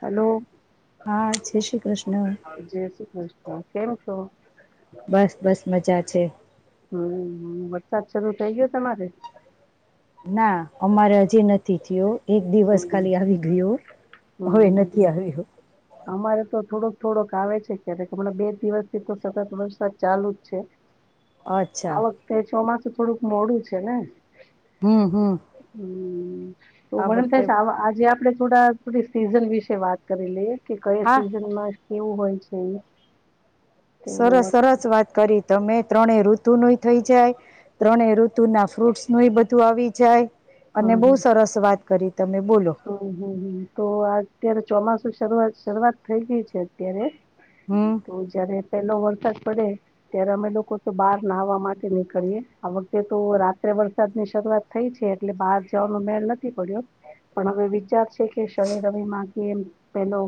Hello હા જય શ્રી કૃષ્ણ જય શ્રી કેમ છો બસ બસ મજા છે સાચ રુંટઈ ગયો તમારે. ના અમારે હજી નથી થયો. એક દિવસ હમ ખાલી આવી ગયો હવે નથી હમ આવ્યો. અમારે તો થોડોક થોડોક આવે છે ક્યારે હણા બે દિવસથી તો સતત વરસાદ ચાલુ જ છે. અચ્છા આ વખતે ચોમાંસુ થોડુંક મોડું છે ને. હમ્મ હમ્મ. હમ્મ તો મને એમ ને થાય છે આવ આજે આપડે થોડા થોડી સીઝન વિશે વાત કરી લઈએ. કે કયા હા સિઝનમાં કેવું હોય છે. તો સરસ હમ સરસ વાત કરી તમે. ત્રણે ઋતુ ન થઈ જાય ત્રણે ઋતુ ના ફ્રૂટસ નું બધું આવી જાય. અને બહુ સરસ વાત કરી. તમે બોલો હમ્મ હમ્મ હમ્મ તો આ અત્યારે ચોમાસું શરૂઆત શરૂઆત થઈ ગઈ છે અત્યારે. હમ તો જયારે પેલો વરસાદ પડે ત્યારે અમે લોકો તો બહાર નાહવા માટે નીકળીએ આ વખતે તો રાત્રે વરસાદ ની શરૂ વાત થઈ છે એટલે બહાર જવાનો મેળ નથી પડ્યો. પણ હવે વિચાર છે કે શન રવિ માંથી એ પેલો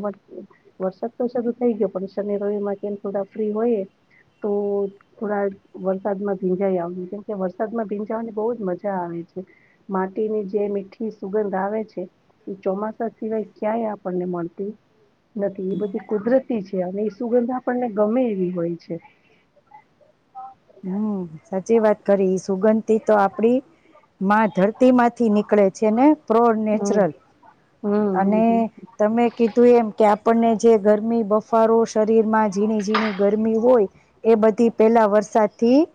વરસાદ તો શરૂ થઈ ગયો પણ શનિ રવિ માં કેમ થોડા ફ્રી હોય તો થોડાક વરસાદમાં ભીંજાઈ આવ કેમકે વરસાદમાં ભીંજાવાની બહુ જ મજા આવે. માટીની જે મીઠી સુગંધ આવે છે. ઈ ચોમાસા સિવાય ક્યાંય આપણને મળતી નથી એ બધી કુદરતી છે અને એ સુગંધા આપણને ગમે એવી હોય છે. [unintelligible] હમ્મ સાચી વાત કરી સુગંધી તો આપડી માં ધરતી માંથી નીકળે છે ને. પ્રો હમ નેચરલ અને હમ તમે કીધું એમ કે આપણને જે ગરમી બફારો શરીરમાં ઝીણી ઝીણી ગરમી હોય એ બધી પહેલા વરસાદ થી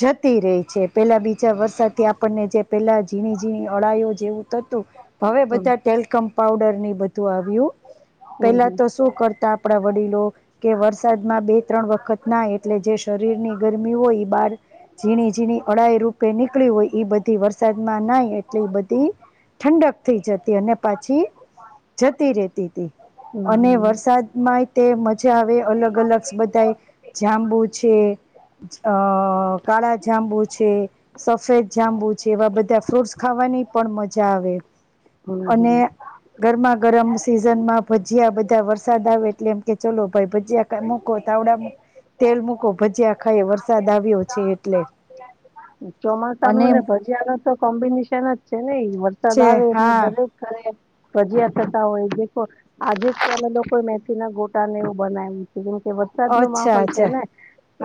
જતી રહી છે પેલા બીજા વરસાદથી આપણને જે પેલા ઝીણી ઝીણી અળાયઓ જેવું થતું હવે હમ હમ બધા ટેલકમ પઉડરની બધું આવ્યું. પેલા હમ તો શું કરતા આપણા વડીલો કે વરસાદમાં બે ત્રણ વખત નાઈ એટલે જે શર ગરમી હોય બહાર ઝીણી ઝીણી અડાાઈ રૂપે નીકળી હોય બધી વરસાદમાં નાઇ એટલી બધી ઠંડક થઈ જતી અને પાછી જતી રેતી હતી. હમ અને હમ વરસાદમાં તે મજા આવે અલગ અલગ બધા એ જાંબુ છે. અ કાળા જાંબુ છે સફેદ જાંબુ છે એવા બધા ફ્રૂટસ ખાવાની ની પણ મજા આવે. હમ હમ હમ અને ગરમા ગરમ સિઝનમાં ભજીયા બધા વરસાદ આવે એટલે કે ચલો ભાઈ ભજીયા મુકો તાવડા તેલ મુૂકો ભજીયા ખાઈ વર ચોમાસા ન અને ને ભજીયા ન તો કોમ્બિનેશન જ છે નેઈ. વરસાદ છે આવે એટલે હા દરેક ઘરે ભજીયા થતા હોય દખો [unintelligible] આજે જ કમે લોકો મેથી ના ગોટા ને એવું બનાવુંય છે. વરસાદ નો અચ્છા માહોલ છે અચ્છા ને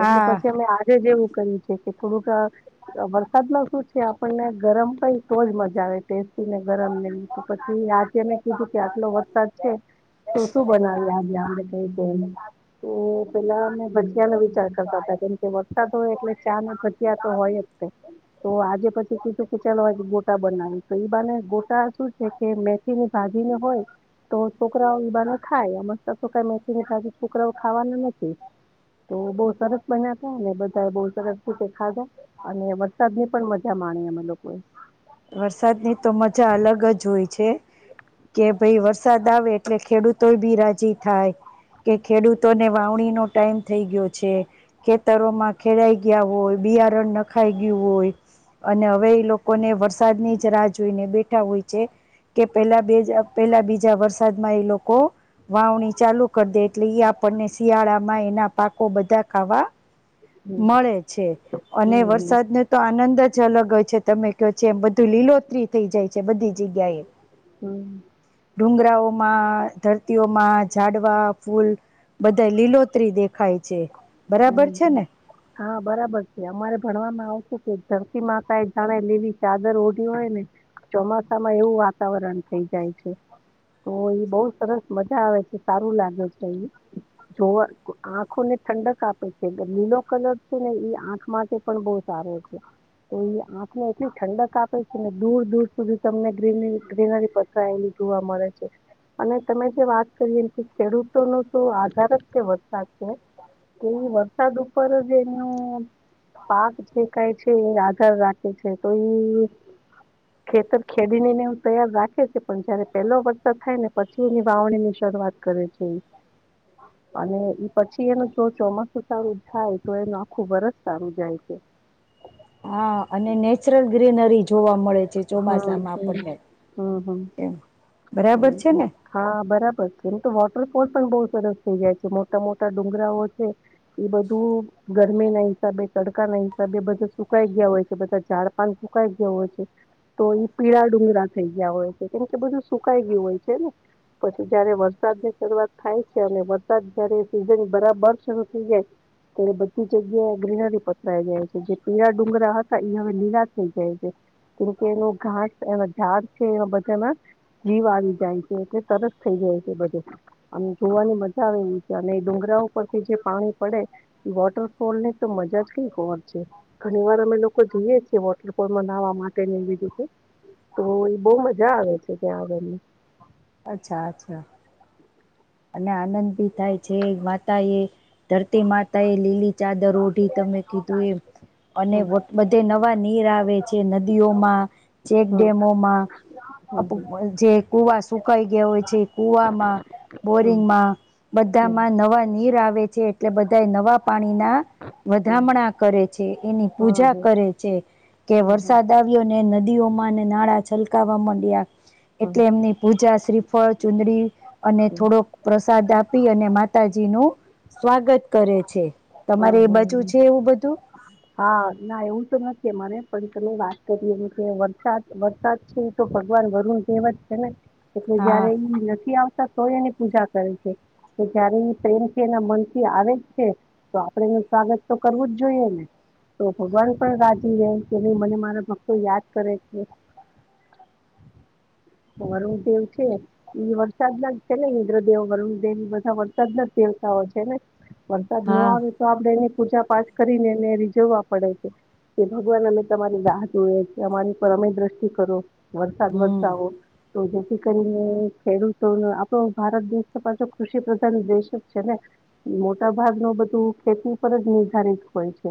એટલે પછી અમે એવું કર્યું છે કે થોડુંક વરસાદમાં શું છે આપણને ગરમ કઈ હોય તોજ મજા આવે. ટેસ્ટીને ગરમ લઈ તો પછી આજે મેં કીધું કે આટલો વરસાદ છે. તો શું બનાવીને કઈ તો પેલા અ ભજયાનો વિચાર કરતા હતા કે વરસાદ હોય એટલે ચા ને ભજ્યા તો હોય જ. તો આજે પછી કીધું કે ચાલો આજે ગોટા બનાવી તો ઈ બાને ગોટા શું છે કે મેથી ની ભ જી નને હોય તો છોકરાઓ ઈબાને ખાય મસ્તકાય તો કઈ મેથી છોકરાઓ ખાવાના નથી. તો બહુ સરસ બન્યા. અને બધાએ બહુ સરસ રતેે ખાધો અને વરસાદની પણ મજા માણી અમે લોકોએ. વરસાદની તો મજા અલગ જ હોય છે કે ભાઈ વરસાદ આવે એટલે ખેડૂતો બી રાજી થાય. કે ખેડૂતોને વાવણી નો ટાઈમ થઈ ગયો છે ખેતરોમાં ખેડાઈ ગયા હોય. બિયારણ નખાઈ ગયું હોય અને હવે એ લોકોને વ સાદ ની જ રાહ જોઈને બેઠા હોય છે. કે પેલા બે પેલા બીજા વરસાદમાં એ લોકો વાવણી ચાલુ કરી દે એટલે આપણને શિયાળામાં એના પાકો બધા ખાવા હમ મળે છે અને હમ વરસાદ ને તો આનંદ જ અલગ હોય છે તમે ક જેમ બધું લીલોતરી થઈ જાય છે બધી જગ્યા એ. હમ્મ. ડુંગરાઓમાં, ધરતીઓમાં, જાડવા ફૂલ બધા લીલોત્રી દેખાય છે. બરાબર હમ્મ, છે ને હા બરાબર છે અમારે ભણવામાં આવ કે ધરતી માતા એ જાણે લેવી ચાદર ઓઢી હોય ને ચોમાસામાં એવું વાતાવરણ થઇ જાય છે. તો એ બવ સરસ મજા આવે છે, સારું લાગે છે એ. જોવા, આંખો ને ઠંડક આપે છે, લીલો કલર છે ને એ આંખ માટે પણ બહૂ સારો છે. તો એ આંખને એટલી ઠંડક આપે છે ને દૂર દૂર સુધી તમને ગ્રીનરી ગ્રીનરી પસરાયેલી જોવા મળે છે. અને તમે જે વાત કરી એ કે ખેડૂતો નો શું આધાર જ કે વરસાદ છે. તે વરસાદ ઉપર જ એમનું પાક જે કઈ છે એ આધાર રાખે છે તો ઈ ખેતર ખેડી ને હું તૈયાર રાખે છું પણ જયારે પેલો વરસાદ થાય ને પછી એની વાવણી શરૂવાત કરે છે અને એ પછી એનું તો ચોમાસું સારું થાય તો એનું આખું વરસ સારું જાય છે. હા અને નેચરલ ગ્રીનરી જોવા મળે છે હમ ચોમાસામાં હમ આપણને હમ હમ એમ. બરાબર છે ને હા બરાબર કેમ તો પણ કોસ પણ બહુ સરસ થઈ જાય છે મોટા મોટા ડુંગરાઓ છે એ બધું ગરમી ના હિસાબે તડકા ના હિસાબે બધા સુકાઈ ગયા હોય છે બધા ઝાડપાન કઈ જેવો છે તો એ પીળા ડુંગરા થઈ ગયા હોય છે કેમકે બધું સુકાઈ ગયું હોય છે ને પછી જયારે વરસાદની શરૂઆત થાય છે અને વરસાદ જારે સીઝન બરાબર શરૂ થઈ જાય તો બધી જગ્યાએ ગ્રીનરી પથરાઈ જાય છે જે પીળ ડુંગરા હતા એ હવે લીલા થઈ જાય છે કેમકે એનો ઘાસ એનો ઝાડ છે એ બધામાં જીવ આવી જાય છે એટલે તરત થઈ જાય છે બધું અને જોવાની મજા આવે એવી છે અને એ ડુંગરા પરરથી જે પાણી ડે વોટરફોલને તો મજા જ કઈ ખબર છે ઘણી વાર અમે લોકો જોઈએ મનાવા માટે ન લીધું તો એ બહ મજા આવે છે ત્યાં આવવાની અચ્છા અચ્છા અને આનંદ ભી થાય છે માતા એ ધરતી માતા એ લીલી ચાદર ઓઢી તમે કીધું એમ અને હમ બધે નવા નીર આવે છે નદીઓમાં હમ ચેકડેમોમાં હમ જે કુવા સુકાઈ ગયા હોય છે કુવામાં હમ બોરિંગમાં બધામાં નવા નીર આવે છે એટલે બધા નવા પાણીના હમ હમ હમ વધામણા કરે છે એની પૂજા કરે છે કે હમ હમ વરસાદ આવ્યો ને નદીઓમાં અને નાળં છલકાવા માંડ્યા હમ હમ હમ એટલે એમની પૂજા શ્રીફળ ચુંદડી અને થોડોક પ્રસાદ આપી અને માતાજી નું સ્વાગત કરે છે તમારે એ ઓહ બાજુ છે એવું બધું હા ના એવું તો નથી મને પણછ તમે વાત કરીએ મ વરસાદ વરસાદ છે એ તો ભગવાન વરુણ દેવ જ છે ને એટલે હા જયારે [unintelligible] નથી આવતા તો એની પૂજા કરે છે કે જયારે એ પ્રેમ થી એના મન થી આવે જ છે. તો આપણે એનું સ્વાગત તો કરવું જ જોઈએ ને. તો ભગવાન પણ રાજી રહેે કે ભાઈ મને મારા ભક્તો યાદ કરે છે. [inaudible] વરુણદેવ છે ઇ વરસાદ ના જ છે ઇન્દ્રદેવ વરુણદેવ બધા વરસાદ ના જ. છે ને વરસાદ ન હા આવે તો આપડે એને પૂજા પાઠ કરીને એને રીઝવવા પડે છે. કે ભગવાન અમે તમારી રાહ જોઈએ છીએ અમારી પર અમી દ્રષ્ટિ કરો વરસાદ હમ વરસાવો. તો જેથી કરીને ખેડૂતો આપણો ભારત દેશ તો પાછો કૃષિ પ્રધાન દેશ જ છે ને. મોટા ભાગ ન બધું ખેતી પર જ નિર્ધારિત હોય છે.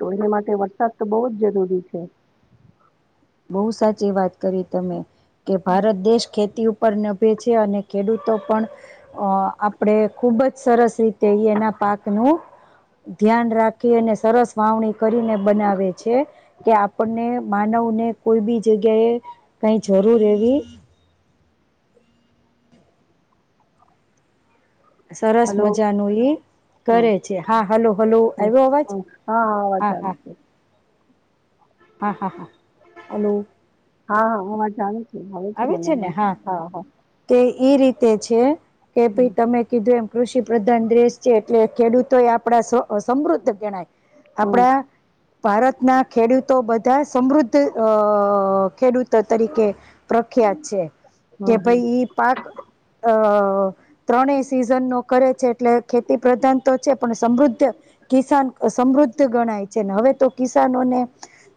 તો એના માટે વરસાદ તો બહુ જ જરૂરી છે. બહુ સાચી વાત કરી તમે કે ભારત દેશ ખેતી ઉપર નભે છે અને ખેડૂતો પણ અ આપણેે ખુબ જ સરસ રીતે એના પાકનું ધ્યાન રાખી અને સરસ વાવણી કરીને બનાવે છે કે આપણને માનવને કોઈ બી જગ્યા એ કઈ જરૂર એવી સરસ હલો મજા ન ઈ હ કરે છે હા હલો હલો હ આવ્યો અવાજ હ હા વાવાજ આવી છે હા હા હા હલો હા-હા હુંમાં જાણું છું હવે છે મને એમાંથી હા-હા. તે રીતે છે કે હમ ભાઈ તમે કીધું એમ કૃષિ પ્રધાન દેશ છે એટલે ખેડૂતો એ આપડા સમૃદ્ધ ગણાય. હમ આપણા ભારતના ખેડૂતો બધા સમૃદ્ધ અ ખેડૂતો તરીકે પ્રખ્યાત છે કે હમ હમ ભાઈ ઈ પાક અ અ ત્રણેય સીઝન નો કરે છે એટલે ખેતી પ્રધાન તો છે પણ સમૃદ્ધ કિસાન સમૃદ્ધ ગણાય છે ને હવે તો કિસાન જનોને ને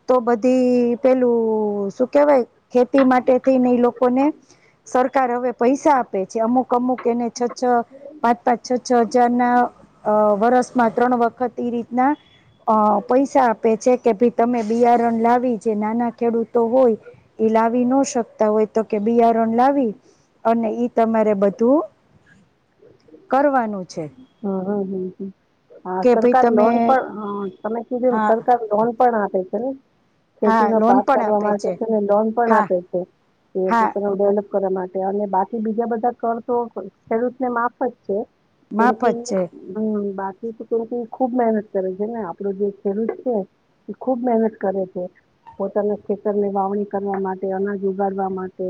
તો બધી પેલું શું કેવાય ખેતી માટે થઈને લોકોને સરકાર હવે પૈસા આપે છે અમુક અમુક એને છ છ પાંચ પાંચ છ છ હજાર ના અ વરસમાં ત્રણ વખત ઈ રીતના અ પૈસા આપે છે કે ભાઈ તમે બિયારણ લાવી જે નાના ખેડૂતો હોય ઈ લાવી નો શકે હોય તો કે બિયારણ લાવી અને ઈ તમારે બધું કરવાનું છે હમ્મ-હમ્મ-હમ્મ-હમ્મ કે ભાઈ સરકાર તમે લોન પણ તમે કીધું હા સરકાર લોન પણ આપે છે નઈ ખેતી હા નો લોન પાક પણ કરવા આપે માટે છે ને લોન પણ હા આપે છે એ હા પોતનો ડેવલપ કરવા માટે અને બાકી બીજા બધા કર તો ખેડૂતને માફ જ છે માફ કેમકે જ છે ઈ બાકી તો કેમકે ખુબ મહેનત કરે છે ને આપડો જે ખેડૂત છે ખુબ મહેનત કરે છે પોતાના ખેતરને વાવણી કરવા માટે અનાજ ઉગાડવા માટે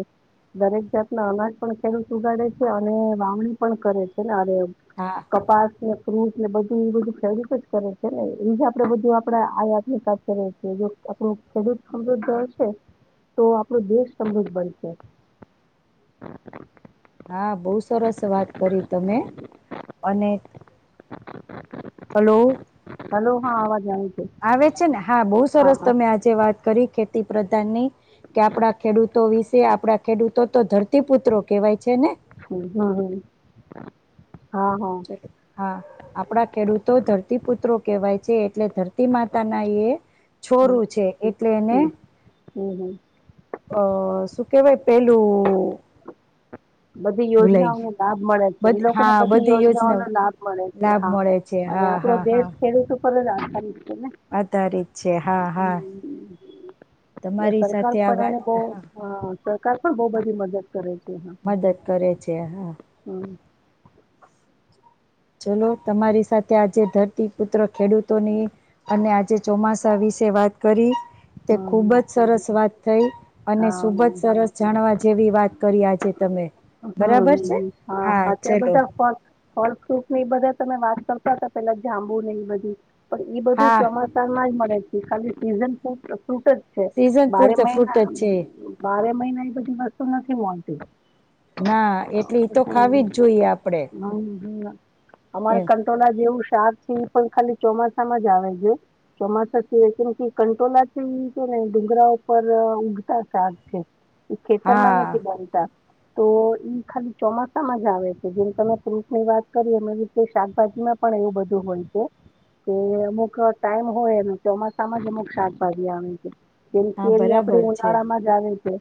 દરેક જાતના અનાજ પણ ખેડૂત ઉગાડે છે અને વાવણી પણ કરે છે ને અરે હા કપાસને ફ્રૂટને બધું એ બધું સર્વિસ જ કરે છે ને એ જ આપડે બધું આપડે આયાત નિકાસ કરીએ છીએ જો. આપણું ખેડૂત સમૃદ્ધ હશે તો આપણું દેશ સમૃદ્ધ બનશે. [inaudible] હા બહુ સરસ વાત કરી તમે અને હલો. હલ્લો હા અવાજ આવે છે આવે છે ને હા બહુ સરસ તમે આજે વાત કરી ખેતી પ્રધાનની. કે આપણા ખેડૂતો વિશે આપણા ખેડૂતો તો ધરતીપુત્રો કેહેવાય છે ને. હમ્મ-હમ્મ. હા આપડા ખેડૂતો ધરતીપુત્રો કેવાય છે. એટલે ધરતી માતા ના એ હમ છોરૂ છે, એટલે એને હમ હમ હમ અ શું કેવાય પેલું બધી ભૂલાઈ યોજનાઓ ગયું. નો લાભ મળે છે એ બધ લોકોને હા બધી યોજનાઓ યોજના નો લાભ મળે છે લાભ હા મળે છે અને હા આપડો હા હા દેશ ખેડૂત ઉપર જ આધારિત છે ને આધારિત છે, હા-હા. હમ એટલે સરકાર પણ એને બહુ સરકાર પણ બહુ બધી મદદ કરે છે. મદદ કરે છે. હા હમ્મ. ચલો તમારી સાથે આજ જે ધરતીપુત્ર ખેડૂતોની અને આજે ચોમાસા વિશે વાત કરી તે ખુબ હમ, જ સરસ વાત થઈ. અને હા, સુબ જ હમ, સરસ જાણવા જેવી વાત કરી આજે તમે હમ બરાબર હમ છે હ હા અત્યારે તો ચલો બધા ફોન હોર બધા તમે વાત કરતા હતા પેલા જાંબુ ને ઈ બધું પણ એ બધું હા ચોમાસામાં જ મળે છે. ખાલી સીઝન ફૂટ જ છે સીઝન બારે ફ્રુડ ફ્રૂટ મહિના જ છે. બારે મહિના ઈ બધી વસ્તુ નથી મળતી. ના એટલી તો હમ. ખાવી જ જોઈએ આપડે. હમ અમારે એમ કંટોળ જેવું શાક છે, એ પણ ખાલી ચોમાસામાં જ આવે છે. ચોમાસા છે કેમ કે કંટોલા થઈ છે ને ડુંગરા ઉપર ઉગતા શાક છે એ ખેતરમાં હા નથી બનતા તો ખાલી ચોમાસામાં જ આવે છે જેમ તમે ફ્રૂટ ની વાત કરી એ રીતે શાકભાજી માં પણ એવું બધું. હોય છે. કે અમુક ટાઈમ હોય એનો ચોમાસામાં જ અમુક શાકભાજી આવે છે. હા કેવી આપડે બરાબર છે ઉનાળા માં જ આવે છે.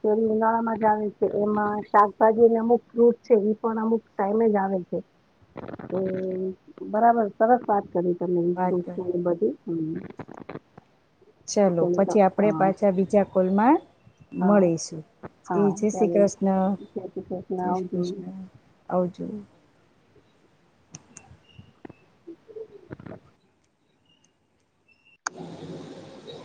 કેરી ઉનાળામાં જ આવે છે એમાં શાકભાજીને અમુક ફૂટ છે પણ અમુક ટાઇમ આવે છે, બરાબર સરસ વાત કરી. વાત [unintelligible] ચાલ ચલો તો પછી આપણેે હા પાછા બીજા કોલમાં હા મળીશું. એ હા જય શ્રી ચાલો કૃષ્ણ જય શ્રી કૃષ્ણ જય શ્રી આવજો કૃષ્ણ આવજો. [unintelligible]